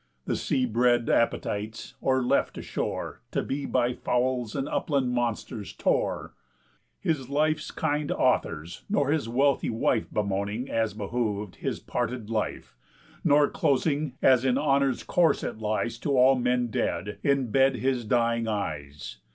The sea bred appetites, or, left ashore, To be by fowls and upland monsters tore, His life's kind authors nor his wealthy wife Bemoaning, as behov'd, his parted life, Nor closing, as in honour's course it lies To all men dead, in bed his dying eyes.